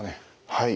はい。